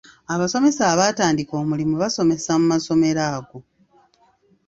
Abasomesa abaatandika omulimu basomesa mu masomero ago.